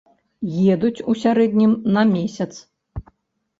Едуць у сярэднім на месяц.